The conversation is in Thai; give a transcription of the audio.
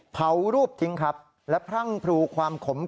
เผารูปทิ้งและพรั่งพรูความขมขื่น